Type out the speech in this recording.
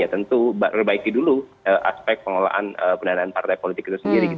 ya tentu perbaiki dulu aspek pengelolaan pendanaan partai politik itu sendiri